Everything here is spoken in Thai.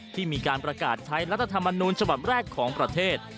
ที่มีการประกาศใช้รัฐธรรมนูญฉบับแรกของประเทศ